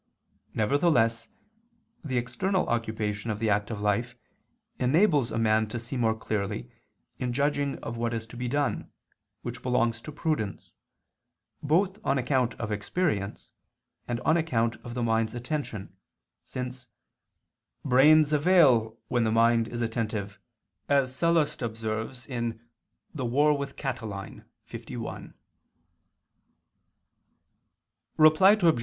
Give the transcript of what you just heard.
Nevertheless the external occupation of the active life enables a man to see more clearly in judging of what is to be done, which belongs to prudence, both on account of experience, and on account of the mind's attention, since "brains avail when the mind is attentive" as Sallust observes [*Bell. Catilin., LI]. Reply Obj.